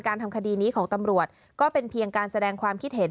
ทำคดีนี้ของตำรวจก็เป็นเพียงการแสดงความคิดเห็น